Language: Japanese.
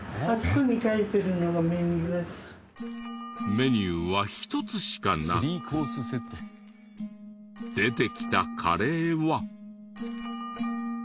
メニューは１つしかなく出てきたカレーは。